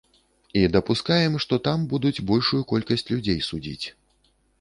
І дапускаем, што там будуць большую колькасць людзей судзіць.